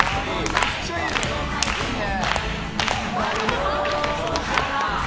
めっちゃいいじゃん。いいね。